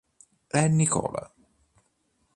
È Nicola.